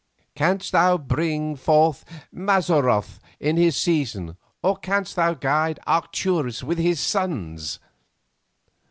"'Canst thou bring forth Mazzaroth in his season, or canst thou guide Arcturus with his sons?